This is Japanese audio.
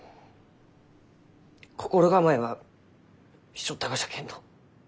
心構えはしちょったがじゃけんど。